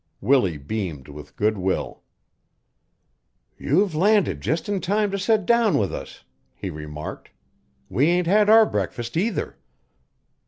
Willie beamed with good will. "You've landed just in time to set down with us," he remarked. "We ain't had our breakfast, either."